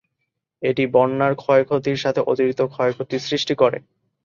এটি, বন্যার ক্ষয়ক্ষতির সাথে অতিরিক্ত ক্ষয়ক্ষতি সৃষ্টি করে।